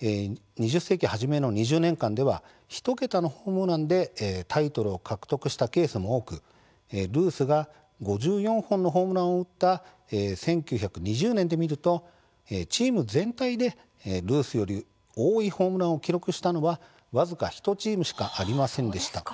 ２０世紀初めの２０年間では１桁のホームランでタイトルを獲得したケースも多くルースが５４本のホームランを打った１９２０年で見るとチーム全体でルースより多いホームランを記録したのは僅か１チームしかありませんでした。